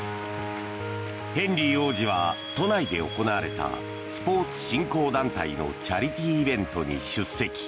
ヘンリー王子は都内で行われたスポーツ振興団体のチャリティーイベントに出席。